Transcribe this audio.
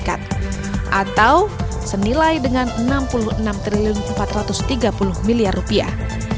atau senilai dengan enam puluh enam empat ratus tiga puluh miliar rupiah